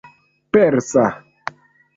persa